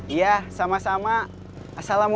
iya sama sama assalamualaikum